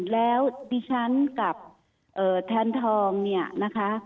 แล้วดิฉันกับแทนทองนะคะ